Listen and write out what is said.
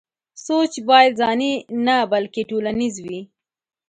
سوچ بايد ځاني نه بلکې ټولنيز وي.